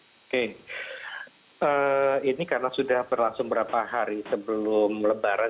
oke ini karena sudah berlangsung beberapa hari sebelum lebaran